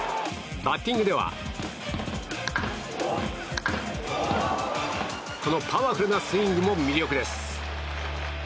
バッティングではこのパワフルなスイングも魅力です。